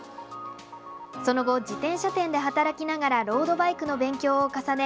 その後、自転車店で働きながらロードバイクの勉強を重ね